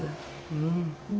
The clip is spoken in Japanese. うん。